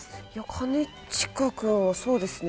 兼近君はそうですね